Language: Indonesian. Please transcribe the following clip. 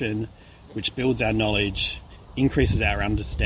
yang membangun pengetahuan kita